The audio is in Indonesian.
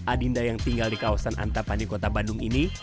adinda yang tinggal di kawasan antapanikota bandung ini